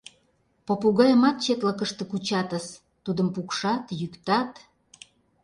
Попугайымат четлыкыште кучатыс, тудым пукшат, йӱктат.